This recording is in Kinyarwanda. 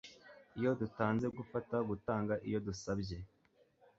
Iyo dutanze gufata gutanga iyo dusabye